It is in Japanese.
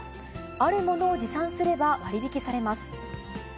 あるものを持参すれば割引されます。